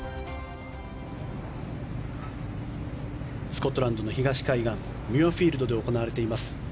スコットランドの東海岸ミュアフィールドで行われています